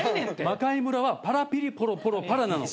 『魔界村』はパラピリポロポロパラなの。